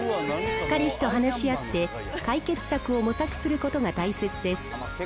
彼氏と話し合って、解決策を模索することが大切です。